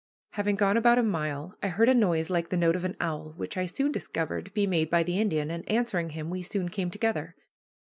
Having gone about a mile I heard a noise like the note of an owl, which I soon discovered to be made by the Indian, and answering him, we soon came together.